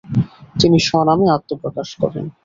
তিনি স্বনামে আত্নপ্রকাশ করেন।